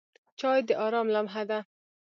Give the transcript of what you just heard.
چای د آرام لمحه ده.